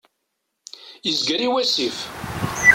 Izger i wasif.